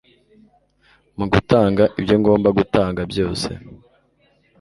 mugutanga ibyo ngomba gutanga byose